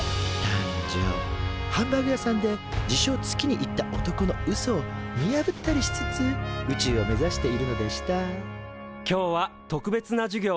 ハンバーグ屋さんで自称月に行った男のうそを見破ったりしつつ宇宙を目指しているのでした今日は特別な授業をしますよ。